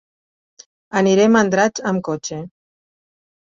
Anirem a Andratx amb cotxe.